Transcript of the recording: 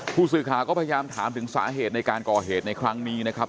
ผู้สื่อข่าวก็พยายามถามถึงสาเหตุในการก่อเหตุในครั้งนี้นะครับ